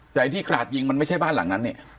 แต่ไอ้ที่กราดยิงมันไม่ใช่บ้านหลังนั้นเนี่ย